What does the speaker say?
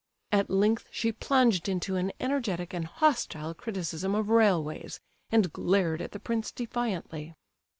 At length she plunged into an energetic and hostile criticism of railways, and glared at the prince defiantly.